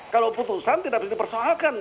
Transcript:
kalau putusan tidak bisa dipersoalkan